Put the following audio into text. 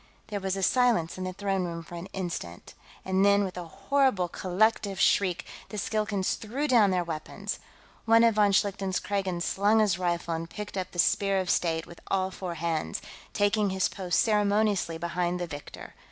There was silence in the throne room for an instant, and then, with a horrible collective shriek, the Skilkans threw down their weapons. One of von Schlichten's Kragans slung his rifle and picked up the Spear of State with all four hands, taking his post ceremoniously behind the victor.